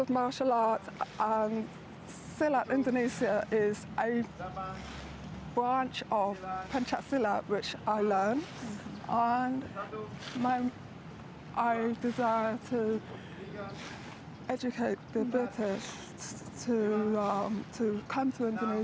karena saya ingin melihat cara anda melakukannya